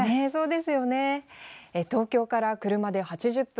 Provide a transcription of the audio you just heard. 東京から車で８０分。